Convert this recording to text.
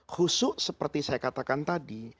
khusu seperti saya katakan tadi